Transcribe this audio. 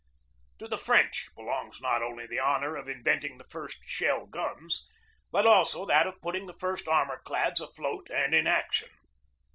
To the French belongs not only the honor of in venting the first shell guns, but also that of putting the first armor clads afloat and in action.